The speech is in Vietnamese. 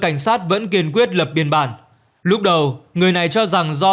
cảnh sát vẫn kiên quyết lập biên bản lúc đầu người này cho rằng do